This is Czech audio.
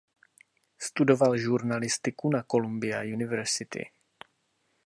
Studoval žurnalistiku na Columbia University.